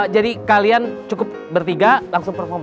jadi kalian cukup bertiga langsung performa